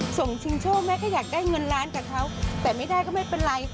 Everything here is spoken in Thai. ชิงโชคแม่ก็อยากได้เงินล้านกับเขาแต่ไม่ได้ก็ไม่เป็นไร